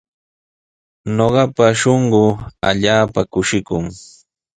Ñuqapa shunquu allaapa kushikun.